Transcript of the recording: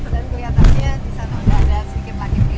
dan kelihatannya di sana udah ada sedikit lagi pelit